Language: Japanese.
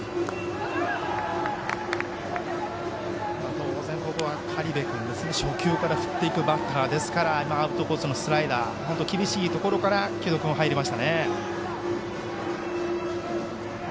当然、ここは苅部君初球から振っていくバッターですからアウトコースのスライダー厳しいところから城戸君は入りましたね。